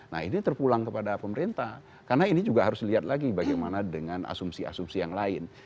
nah ini terpulang kepada pemerintah karena ini juga harus dilihat lagi bagaimana dengan asumsi asumsi yang lain